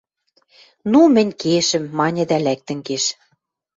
— Ну, мӹнь кешӹм, — маньы дӓ лӓктӹн кеш.